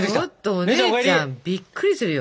お姉ちゃんびっくりするよ。